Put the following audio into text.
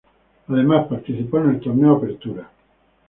Además participó en el Torneo Apertura.